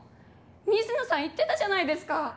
水野さん言ってたじゃないですか。